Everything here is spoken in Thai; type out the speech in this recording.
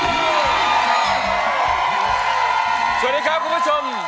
สวัสดีครับคุณผู้ชม